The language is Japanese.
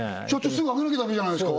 すぐあげなきゃダメじゃないですか？